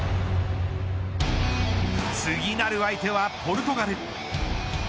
次なる相手はポルトガル。